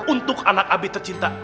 untuk anak abi tercinta